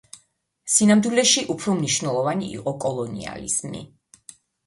სინამდვილეში, უფრო მნიშვნელოვანი იყო კოლონიალიზმი.